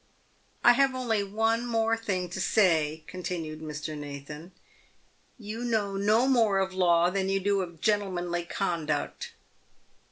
" I. have only one thing more to say," continued Mr. Nathan, " you know no more of law than you do of gentle manly conduct."